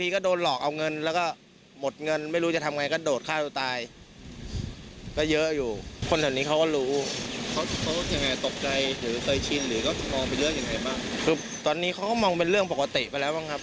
ก็มองเป็นเรื่องปกติไปแล้วบ้างครับ